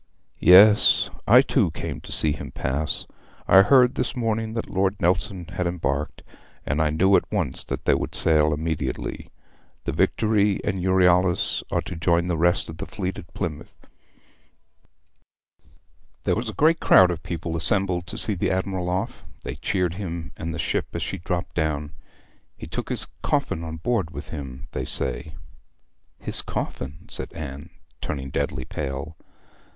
'Yes I too came to see him pass. I heard this morning that Lord Nelson had embarked, and I knew at once that they would sail immediately. The Victory and Euryalus are to join the rest of the fleet at Plymouth. There was a great crowd of people assembled to see the admiral off; they cheered him and the ship as she dropped down. He took his coffin on board with him, they say.' 'His coffin!' said Anne, turning deadly pale.